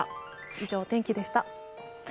以上、お天気でした。